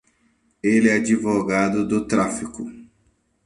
Ele é advogado do tráfico.